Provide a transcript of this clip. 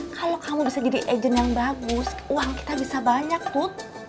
kalau kamu bisa jadi agent yang bagus uang kita bisa banyak put